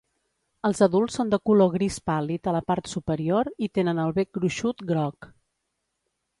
Els adults són de color gris pàl·lid a la part superior i tenen el bec gruixut groc.